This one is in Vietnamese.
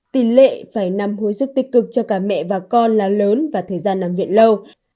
tỷ lệ phải nằm hồi sức tích cực cho cả mẹ và con là lớn và thời gian nằm viện lâu